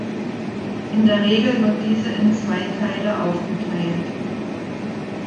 In der Regel wird diese in zwei Teile aufgeteilt.